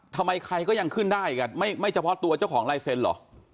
ทำไมใครก็ยังขึ้นได้ไม่เฉพาะตัวเจ้าของลายเซ็นต์เหรอ